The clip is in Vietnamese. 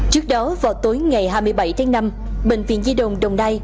trước đó vào tối ngày hai mươi bảy tháng năm bệnh viện di đồng đồng nai